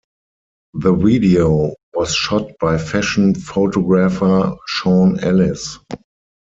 The video was shot by fashion photographer Sean Ellis.